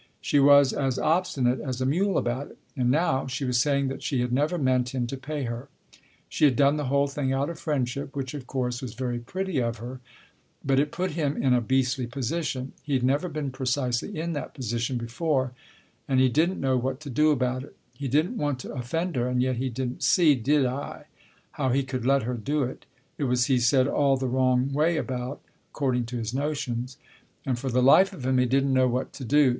She was as obstinate as a mule about it. And now she was saying that she had never meant him to pay her ; she had done the whole thing out of friendship, which, of course, was very pretty of her, but it put him in a beastly position. He'd never been precisely in that position before and he didn't know what to do about it. He didn't want to offend her and yet he didn't see did I ? how he could let her do it. It was, he said, all the wrong way about, according to his notions. And for the life of him he didn't know what to do.